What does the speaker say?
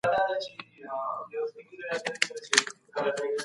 مرسته کول له بې پروايۍ ښه دي.